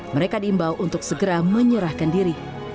mereka diimbau untuk segera menyerahkan diri